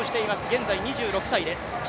現在２６歳です。